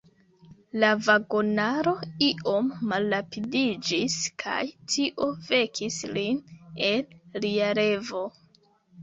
La vagonaro iom malrapidiĝis, kaj tio vekis lin el lia revo.